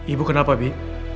ibu kenapa bi